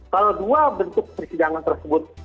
kalau dua bentuk persidangan tersebut